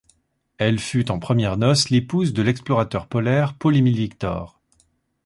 Elle fut, en premières noces, l'épouse de l'explorateur polaire Paul-Émile Victor.